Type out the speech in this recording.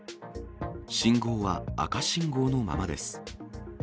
信号は赤信号のままです。